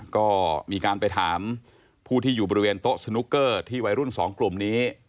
ก็มีการไปถามผู้ที่อยู่บริเวณโต๊ะสนุกเกอร์ที่วัยรุ่นสองกลุ่มนี้